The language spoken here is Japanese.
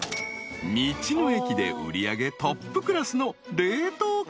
［道の駅で売り上げトップクラスの］